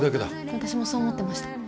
私もそう思ってました。